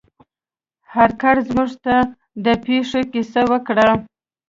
هارکر موږ ته د پیښې کیسه وکړه.